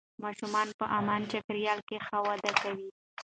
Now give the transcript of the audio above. ماشومان په امن چاپېریال کې ښه وده کوي